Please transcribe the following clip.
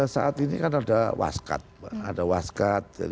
saat ini kan ada waskat